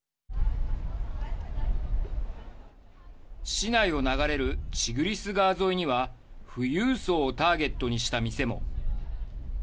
市内を流れるチグリス川沿いには富裕層をターゲットにした店も。